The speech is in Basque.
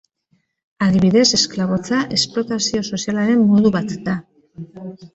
Adibidez, esklabotza esplotazio sozialaren modu bat da.